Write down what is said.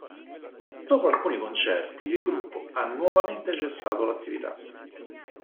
Dopo alcuni concerti il gruppo ha nuovamente cessato l'attività.